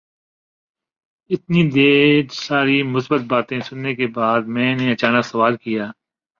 اتنی ڈھیر ساری مثبت باتیں سننے کے بعد میں نے اچانک سوال کیا